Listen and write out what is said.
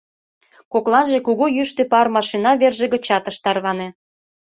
Кокланже кугу йӱштӧ пар машина верже гычат ыш тарване.